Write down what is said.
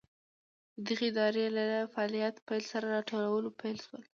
د دغې ادارې له فعالیت پیل سره راټولول پیل شول.